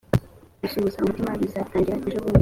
gusuhuza umutima bizatangira ejobundi